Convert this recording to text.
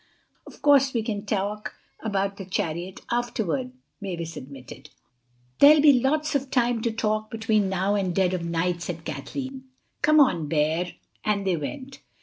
"Of course we can talk about the chariot afterward," Mavis admitted. "There'll be lots of time to talk between now and dead of night," said Kathleen. "Come on, Bear." And they went.